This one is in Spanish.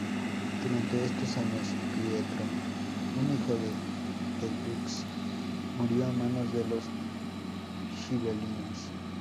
Durante estos años, Pietro, un hijo del "dux", murió a manos de los gibelinos.